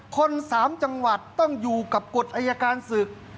คนสามจังหวัดต้องอยู่กับกฎอายการศึก